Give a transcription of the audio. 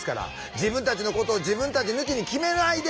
「自分たちのことを自分たち抜きに決めないで」。